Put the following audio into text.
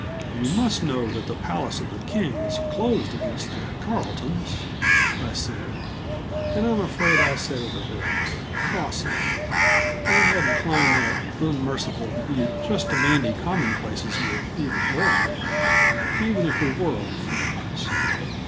"You must know that the palace of the King is closed against the Carletons," I, said, and I'm afraid I said it a bit crossly; I hadn't climbed that unmerciful butte just to bandy commonplaces with Edith Loroman, even if we were old friends.